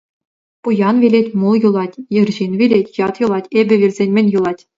Пуян вилет — мул юлать, ыр ҫын вилет — ят юлать, эпӗ вилсен, мӗн юлать?